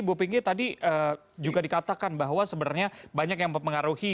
bu pinky tadi juga dikatakan bahwa sebenarnya banyak yang mempengaruhi